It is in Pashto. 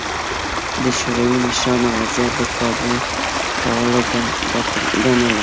د شوروي مشرانو وضعیت د کابو کولو ګڼله